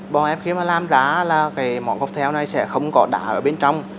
bọn em khi mà làm ra là cái món cocktail này sẽ không có đá ở bên trong